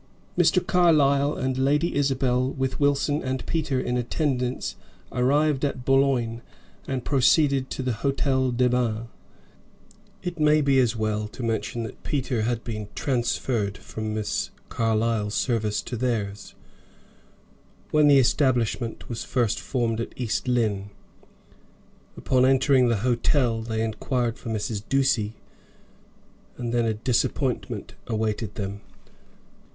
Mr. Carlyle and Lady Isabel, with Wilson and Peter in attendance, arrived at Boulogne, and proceeded to the Hotel des Bains. It may be as well to mention that Peter had been transferred from Miss Carlyle's service to theirs, when the establishment was first formed at East Lynne. Upon entering the hotel they inquired for Mrs. Ducie, and then a disappointment awaited them.